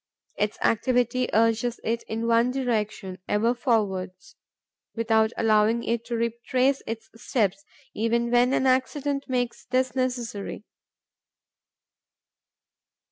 Its activity urges it in one direction, ever forwards, without allowing it to retrace its steps, even when an accident makes this necessary.